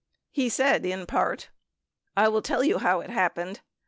He said in part : I will tell you how it happened.